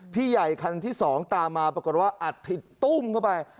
พี่ใหญ่คันที่๒ตามมาปรากฏว่าอัดถิตตุ้มเข้าไป